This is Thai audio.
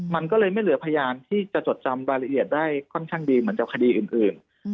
มันก็เลยไม่เหลือพยานที่จะจดจำรายละเอียดได้ค่อนข้างดีเหมือนกับคดีอื่น